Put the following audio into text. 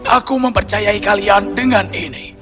aku mempercayai kalian dengan ini